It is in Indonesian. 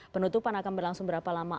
penutupan akan berlangsung berapa lama